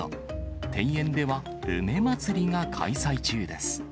庭園では梅まつりが開催中です。